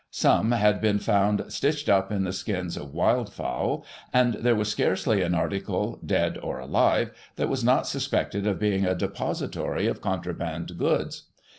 Some had been found stitched up in the skins of wildfowl, and there was scarcely an article, dead or alive, that was not suspected of being a depository of contraband goods.